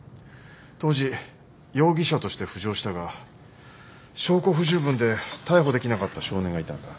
当時容疑者として浮上したが証拠不十分で逮捕できなかった少年がいたんだ。